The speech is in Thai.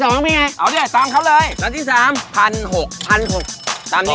ถูกขอบคุณมากครับครับ